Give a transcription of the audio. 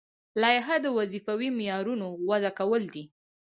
لایحه د وظیفوي معیارونو وضع کول دي.